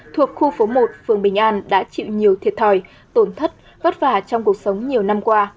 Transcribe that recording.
thuộc khu phố một phường bình an đã chịu nhiều thiệt thòi tổn thất vất vả trong cuộc sống nhiều năm qua